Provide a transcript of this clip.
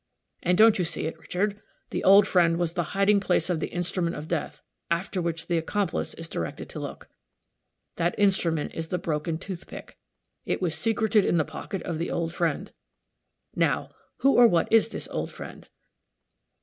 And, don't you see it, Richard? the old friend was the hiding place of the instrument of death, after which the accomplice is directed to look. That instrument is the broken tooth pick. It was secreted in the pocket of the old friend. Now, who or what is this old friend?